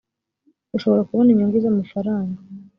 ushobora kubona inyungu z ‘amafaranga .